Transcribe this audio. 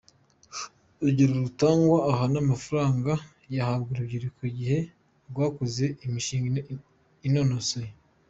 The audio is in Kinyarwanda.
Urugero rutangwa aha n’amafaranga yahabwa urubyiruko igihe rwakoze imishinga inononsoye.